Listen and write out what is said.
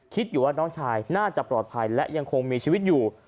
คิดอยู่ว่าน้องชายน่าจะปลอดภัยและยังคงมีชีวิตอยู่